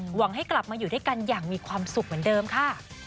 หวังให้กลับมาอยู่ด้วยกันอย่างมีความสุขเหมือนเดิมค่ะ